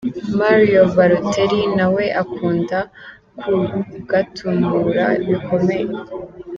Mario Balotelli nawe akunda kugatumura bikomeye.